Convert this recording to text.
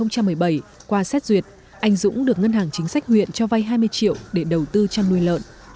năm hai nghìn một mươi bảy qua xét duyệt anh dũng được ngân hàng chính sách huyện cho vay hai mươi triệu để đầu tư chăn nuôi lợn